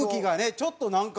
ちょっとなんか。